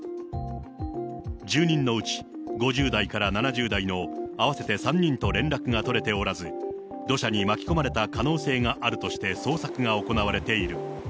住人のうち５０代から７０代の合わせて３人と連絡が取れておらず、土砂に巻き込まれた可能性があるとして捜索が行われている。